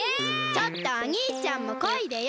ちょっとおにいちゃんもこいでよ！